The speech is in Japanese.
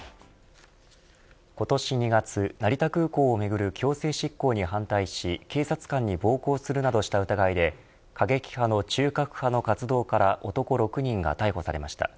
今年２月、成田空港をめぐる強制執行に反対し警察官に暴行するなどした疑いで過激派の中核派の活動家ら男６人が逮捕されました。